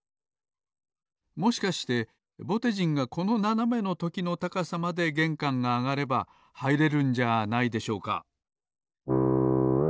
もしかしてぼてじんがこのななめのときの高さまでげんかんがあがればはいれるんじゃないでしょうか？